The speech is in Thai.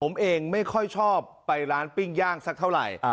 ผมเองไม่ค่อยชอบไปร้านปิ้งย่างสักเท่าไหร่